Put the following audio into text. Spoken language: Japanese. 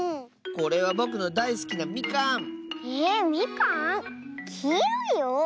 これはぼくのだいすきなみかん！えみかん？きいろいよ。